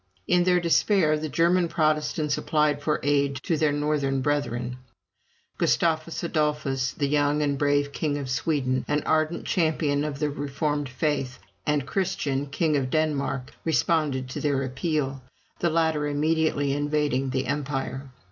In their despair the German Protestants applied for aid to their northern brethren. Gustavus Adolphus, the young and brave King of Sweden, an ardent champion of the Reformed faith, and Christian, King of Denmark, responded to their appeal, the latter immediately invading the Empire.